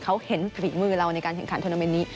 เขาเห็นฝีมือเราในการสิ่งขาดทวนโมเมนนี้